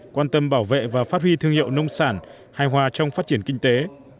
quan tâm bảo vệ và phát huy thương hiệu nông sản hài hòa trong phát triển kinh tế